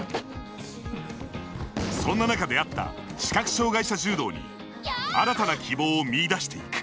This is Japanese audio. そんな中、出会った視覚障がい者柔道に新たな希望を見いだしていく。